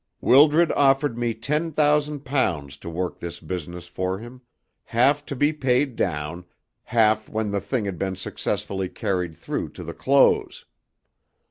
Wildred offered me ten thousand pounds to work this business for him; half to be paid down, half when the thing had been successfully carried through to the close.